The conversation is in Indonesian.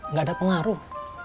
gak ada pengaruh